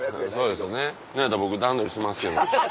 そうですね何やったら僕段取りしますけど。